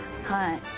はい。